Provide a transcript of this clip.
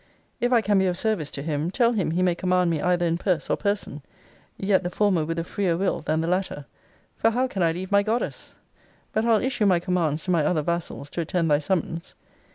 If I can be of service to him, tell him he may command me either in purse or person. Yet the former with a freer will than the latter; for how can I leave my goddess? But I'll issue my commands to my other vassals to attend thy summons.